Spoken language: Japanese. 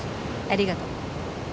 ありがとう。